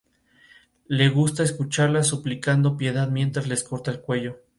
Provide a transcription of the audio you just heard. Le gusta escucharlas suplicando piedad mientras les corta el cuello.